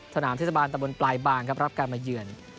สนามเทศบาลตะบนปลายบางครับรับการมาเยือน